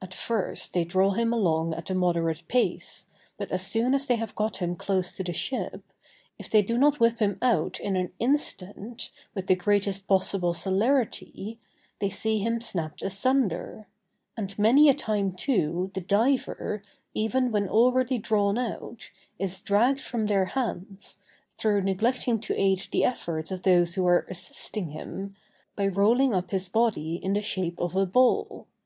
At first they draw him along at a moderate pace, but as soon as they have got him close to the ship, if they do not whip him out in an instant, with the greatest possible celerity, they see him snapped asunder: and many a time, too, the diver, even when already drawn out, is dragged from their hands, through neglecting to aid the efforts of those who are assisting him, by rolling up his body in the shape of a ball.